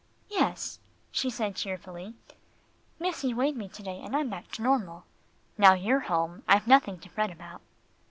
"Yes," she said cheerfully, "missie weighed me to day and I'm back to normal. Now you're home, I've nothing to fret about."